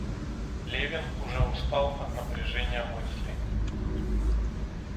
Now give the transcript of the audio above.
Левин уже устал от напряжения мысли.